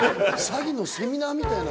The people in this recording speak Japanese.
詐欺のセミナーみたい。